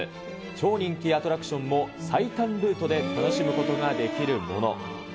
超人気アトラクションも最短ルートで楽しむことができるもの。